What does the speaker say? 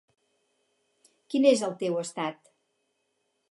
Quins és el teu estat?